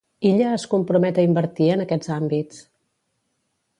Illa es compromet a invertir en aquests àmbits.